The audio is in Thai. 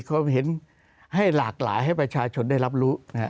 ความเห็นให้หลากหลายให้ประชาชนได้รับรู้